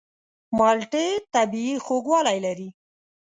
مالټې طبیعي خوږوالی لري.